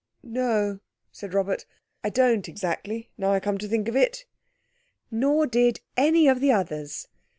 "No," said Robert, "I don't exactly, now I come to think of it." Nor did any of the others!